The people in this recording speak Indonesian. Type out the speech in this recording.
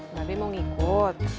mbak be mau ngikut